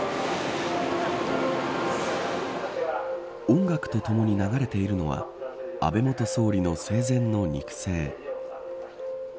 音楽とともに流れているのは安倍元総理の生前の肉声。